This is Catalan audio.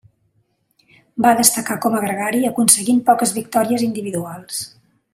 Va destacar com a gregari aconseguint poques victòries individuals.